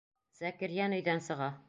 Зәкирйән өйҙән сыға.